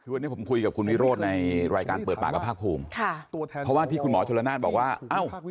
วันนี้ผมคุยกับคุณวิโรสในรายการเปิดปากภาพภูมิ